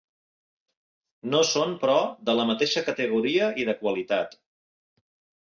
No són, però, de la mateixa categoria i de qualitat.